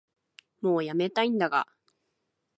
もうやめたいんだが